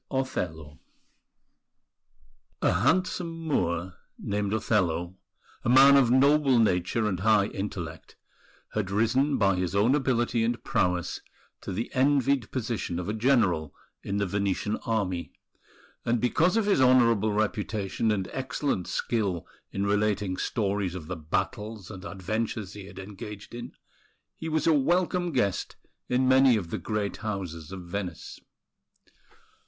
OTHELLO A handsome Moor, named Othello, a man of noble nature and high intellect, had risen by his own ability and prowess to the envied position of a general in the Venetian Army; and because of his honourable reputation and excellent skill in relating stories of the battles and adventures he had engaged in, he was a welcome guest in many of the great houses of Venice.